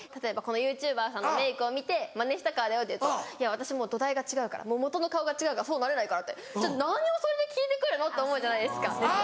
「このＹｏｕＴｕｂｅｒさんのメークを見てマネしたからだよ」って言うと「いや私もう土台が違うからもとの顔が違うからそうなれないから」ってじゃあ何をそれで聞いて来るの？って思うじゃないですか。